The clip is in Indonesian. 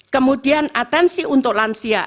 kemudian atensi untuk lansia